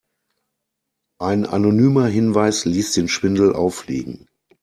Ein anonymer Hinweis ließ den Schwindel auffliegen.